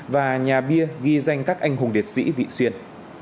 và nhà bia ghi danh các anh hùng liệt sĩ vị xuyên